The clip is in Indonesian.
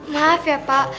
maaf ya pak